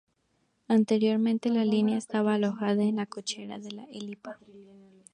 Anteriormente, la línea estaba alojada en las cocheras de La Elipa.